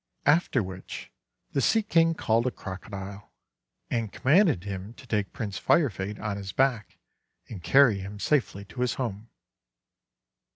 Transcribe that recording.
After which the Sea King called a Crocodile, PRINCE FIRESHINE 231 and commanded him to take Prince Firefade on his back, and carry him safely to his home.